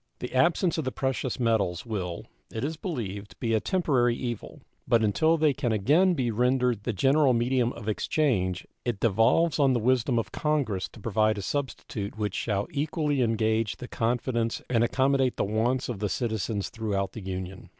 The absence of the precious metals will, it is believed, be a temporary evil, but until they can again be rendered the general medium of exchange it devolves on the wisdom of Congress to provide a substitute which shall equally engage the confidence and accommodate the wants of the citizens throughout the Union.